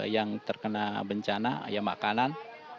yang terkena bencana ya makanan